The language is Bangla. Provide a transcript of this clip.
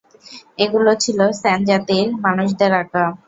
এগুলো ছিল স্যান জাতির মানুষদের আঁকা।